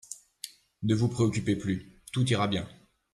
Ne vous préoccupez plus. Tout ira bien.